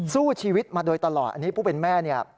สู้ชีวิตมาโดยตลอดอันนี้ผู้เป็นแม่เนี่ย